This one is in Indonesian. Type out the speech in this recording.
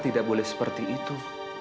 tidak boleh seperti itu